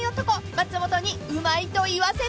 松本にうまいと言わせたい］